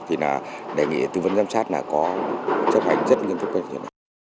thì đề nghị tư vấn giám sát có chấp hành rất nghiêm trúc